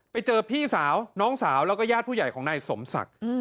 ไปเจอพี่สาวน้องสาวแล้วก็ญาติผู้ใหญ่ของนายสมศักดิ์